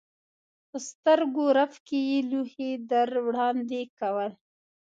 په سترګو رپ کې یې لوښي در وړاندې کول.